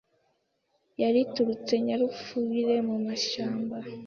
yari iturutse Nyarupfubire mumashyamba